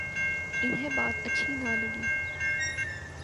انہیں بات اچھی نہ لگی۔